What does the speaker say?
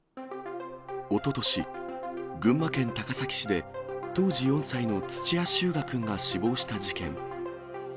おととし、群馬県高崎市で、当時４歳の土屋翔雅くんが死亡した事件。